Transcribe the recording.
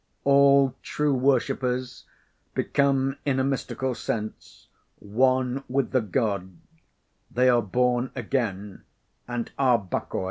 All true worshippers become in a mystical sense one with the God; they are born again and are "Bacchoi."